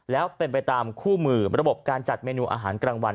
แล้วเป็นไปตามคู่มือระบบการจัดเมนูอาหารกลางวัน